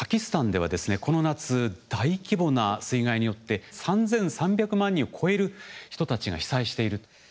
この夏大規模な水害によって３，３００万人を超える人たちが被災していると。